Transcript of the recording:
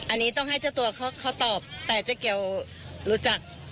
อันนี้ต้องให้เจ้าตัวเขาตอบแต่เจ๊เกียวรู้จัก